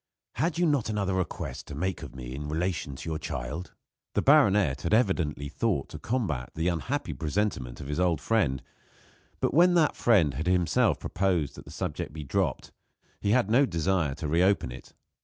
Had you not another request to make of me in relation to your child?" The baronet had evidently thought to combat the unhappy presentiment of his old friend, but when that friend had himself proposed that the subject be dropped he had no desire to reopen it.